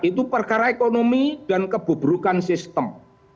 itu perkara ekonomi dan kebuburukan sistem